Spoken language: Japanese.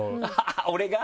俺が？